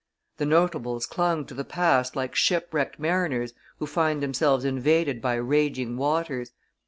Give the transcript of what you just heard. The notables clung to the past like shipwrecked mariners who find themselves invaded by raging waters.